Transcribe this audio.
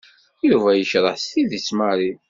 Yuba yekreh s tidet Mary.